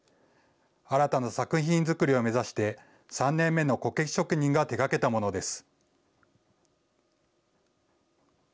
新たな作品作りを目指して、３年目のこけし職人が手がけたものです。